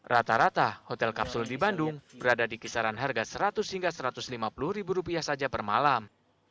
rata rata hotel kapsul di bandung berada di kisaran harga seratus hingga satu ratus lima puluh ribu rupiah saja per malam